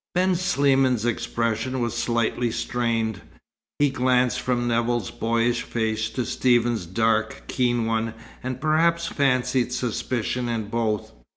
Ben Sliman's expression was slightly strained. He glanced from Nevill's boyish face to Stephen's dark, keen one, and perhaps fancied suspicion in both.